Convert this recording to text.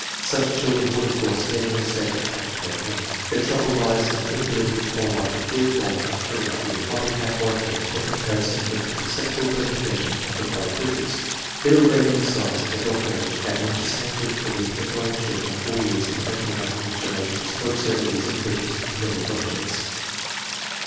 Such children would, of course, never mistake a cat for a hen. Their trouble lies in the inability to call up in clear form a " free idea " of a cat or a hen for comparison with the perceptual presentation offered by the picture. Middle grade imbeciles of adult age have much the same difficulty as normal children of 4 years in recognizing mutilations or absurdi ties in pictures of familiar objects.